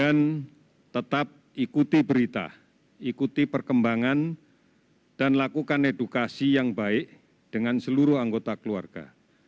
tetap ikuti berita ikuti perkembangan dan lakukan edukasi yang baik dengan seluruh anggota keluarga